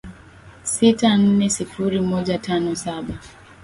sita nne sifuri moja tano saba